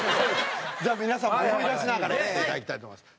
じゃあ皆さんも思い出しながらやっていただきたいと思います。